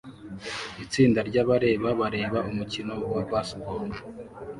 Itsinda ryabareba bareba umukino wa baseball